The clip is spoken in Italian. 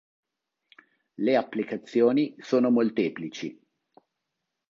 Le applicazioni sono molteplici.